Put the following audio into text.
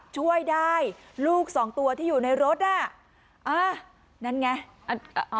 ช่วยได้ลูกสองตัวที่อยู่ในรถอ่ะอ่านั่นไงอ่า